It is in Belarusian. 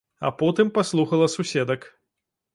А потым паслухала суседак.